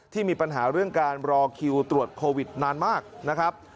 มีปัญหาเรื่องการรอคิวตรวจโควิดนานมากนะครับ